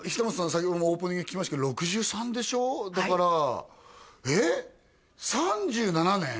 先ほどもオープニングで聞きましたけど６３でしょだからえっ３７年！？